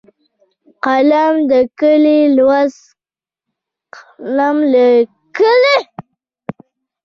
قلم د لیک لوست کلۍ ده